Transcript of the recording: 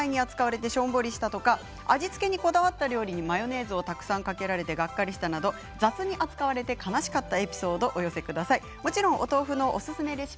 家族に、ぞんざいに扱われてしょんぼりしたとか味付けにこだわった料理にマヨネーズをたくさんかけてがっかりしたなど雑に扱われて悲しかったエピソードをお寄せください。